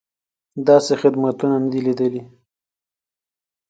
داسې خدمتونه نه دي لیدلي.